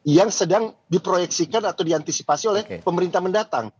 yang sedang diproyeksikan atau diantisipasi oleh pemerintah mendatang